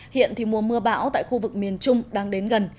hiện thì mùa mưa bão tại khu vực miền trung đang đến gần